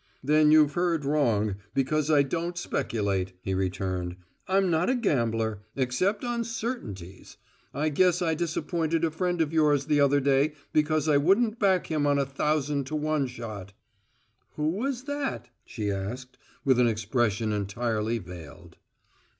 "Then you've heard wrong, because I don't speculate," he returned. "I'm not a gambler except on certainties. I guess I disappointed a friend of yours the other day because I wouldn't back him on a thousand to one shot." "Who was that?" she asked, with an expression entirely veiled.